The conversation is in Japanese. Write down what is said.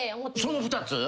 その２つ？